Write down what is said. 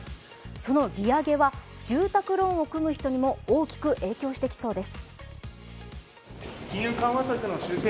その利上げは住宅ローンを組む人にも大きく影響してきそうです。